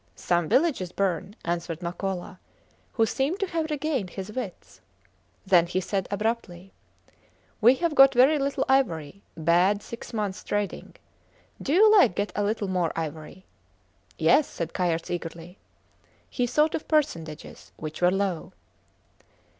Some villages burn, answered Makola, who seemed to have regained his wits. Then he said abruptly: We have got very little ivory; bad six months trading. Do you like get a little more ivory? Yes, said Kayerts, eagerly. He thought of percentages which were low.